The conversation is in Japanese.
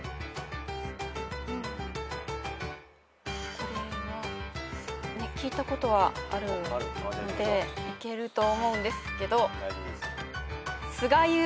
これは聞いたことはあるのでいけると思うんですけど。